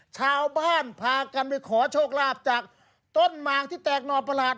ชาวบ้านพากันไปขอโชคลาภจากต้นหมากที่แตกหน่อประหลาด